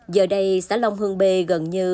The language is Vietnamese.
giờ đây xã long hương bê gần như